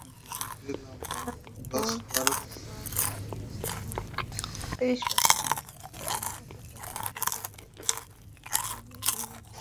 তার ওপর স্কোরবোর্ডে অল্প রান বলে গাজী গ্রুপের বোলাররাও চাইলেন আগুন ঝরাতে।